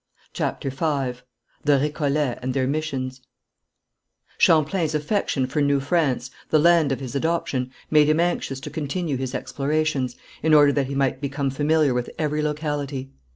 CHAPTER V THE RÉCOLLETS AND THEIR MISSIONS Champlain's affection for New France, the land of his adoption, made him anxious to continue his explorations, in order that he might become familiar with every locality.